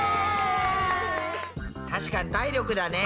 確かに体力だね。